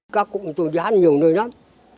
các cụm tù gián nhiều nơi lắm